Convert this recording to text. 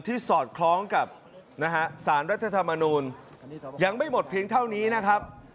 สอดคล้องกับนะฮะสารรัฐธรรมนูลยังไม่หมดเพียงเท่านี้นะครับ